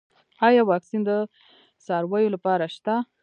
آیا واکسین د څارویو لپاره شته؟